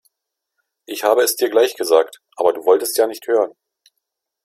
Ich habe es dir gleich gesagt, aber du wolltest ja nicht hören.